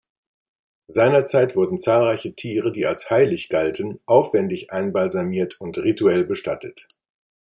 Seinerzeit wurden zahlreiche Tiere, die als heilig galten, aufwändig einbalsamiert und rituell bestattet.